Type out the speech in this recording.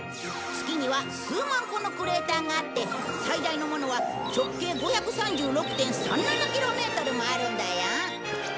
月には数万個のクレーターがあって最大のものは直径５３６．３７キロメートルもあるんだよ。